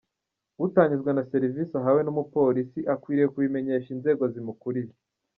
Utanyuzwe na serivisi ahawe n’umupolisi akwiriye kubimenyesha inzego zimukuriye.